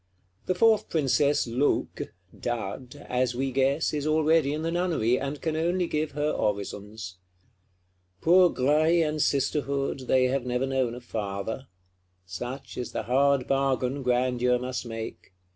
The fourth Princess Loque (Dud), as we guess, is already in the Nunnery, and can only give her orisons. Poor Graille and Sisterhood, they have never known a Father: such is the hard bargain Grandeur must make.